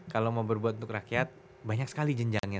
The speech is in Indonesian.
kalau mau berbuat untuk rakyat banyak sekali jenjangnya